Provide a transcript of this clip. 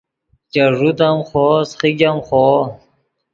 چے ݱوت ام خوو سیخیګ ام خوو